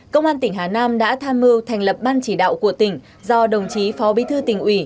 công an tỉnh hà nam đã tham mưu thành lập ban chỉ đạo của tỉnh do đồng chí phó bí thư tỉnh ủy